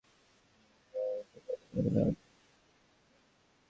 মেয়েকে বেশি দূর নিয়ে যাওয়ার আগেই সন্ধান পেতে এলিজাবেথ-আলেজান্দ্রা পুলিশের কাছে যান।